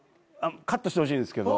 カットしてほしいんですけど。